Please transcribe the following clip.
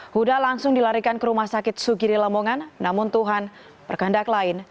huda langsung dilarikan ke rumah sakit sugiri lamongan namun tuhan berkendak lain